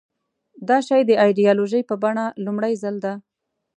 دا شی د ایدیالوژۍ په بڼه لومړي ځل ده.